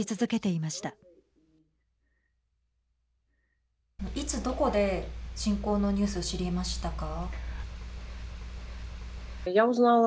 いつどこで侵攻のニュース知りましたか。